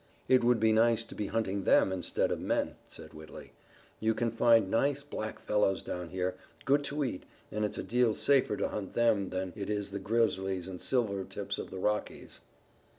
"It would be nice to be hunting them, instead of men," said Whitley. "You can find nice, black fellows down here, good to eat, and it's a deal safer to hunt them than it is the grizzlies and silver tips of the Rockies."